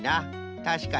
たしかに。